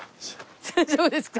大丈夫ですか？